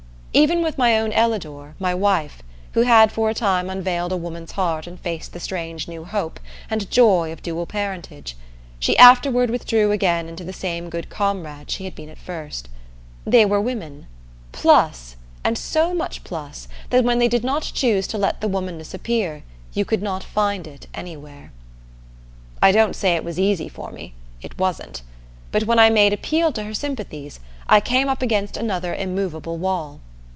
Even with my own Ellador, my wife, who had for a time unveiled a woman's heart and faced the strange new hope and joy of dual parentage, she afterward withdrew again into the same good comrade she had been at first. They were women, plus, and so much plus that when they did not choose to let the womanness appear, you could not find it anywhere. I don't say it was easy for me; it wasn't. But when I made appeal to her sympathies I came up against another immovable wall.